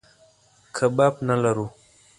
کباب نه لرو.